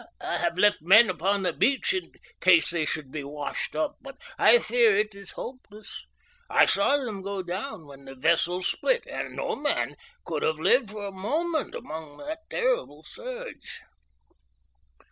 I have left men upon the beach in case they should be washed up, but I fear it is hopeless. I saw them go down when the vessel split, and no man could have lived for a moment among that terrible surge."